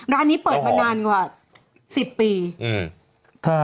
ร้านนี้เปิดมานานกว่า